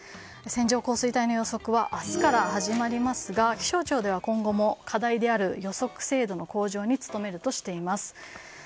線状降水帯の予測は明日から始まりますが気象庁では今後も課題である予測精度の向上に努めるとしています。